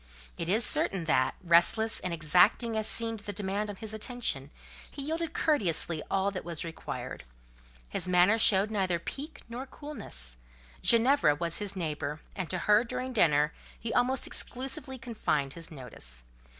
It is certain that, restless and exacting as seemed the demand on his attention, he yielded courteously all that was required: his manner showed neither pique nor coolness: Ginevra was his neighbour, and to her, during dinner, he almost exclusively confined his notice.